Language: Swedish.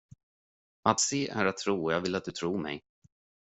Att se är att tro och jag vill att du tror mig.